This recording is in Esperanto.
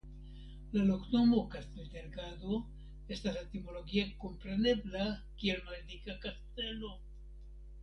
La loknomo "Castildelgado" estas etimologie komprenebla kiel "Maldika Kastelo".